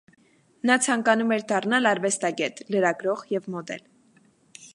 Նա ցանկանում էր դառնալ արվեստագետ, լրագրող և մոդել։